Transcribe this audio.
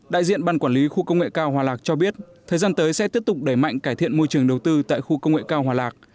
đại diện ban quản lý khu công nghệ cao hòa lạc cho biết thời gian tới sẽ tiếp tục đẩy mạnh cải thiện môi trường đầu tư tại khu công nghệ cao hòa lạc